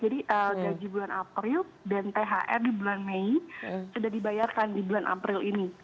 jadi gaji bulan april dan thr di bulan mei sudah dibayarkan di bulan april ini